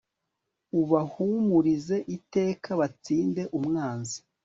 ubahumurize iteka, batsinde umwanzi